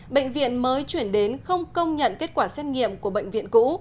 bệnh viện mới chuyển đến không công nhận kết quả xét nghiệm của bệnh viện cũ